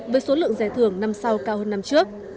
với số lượng giải thưởng năm sau cao hơn năm trước